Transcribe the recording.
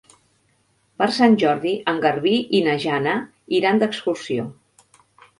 Per Sant Jordi en Garbí i na Jana iran d'excursió.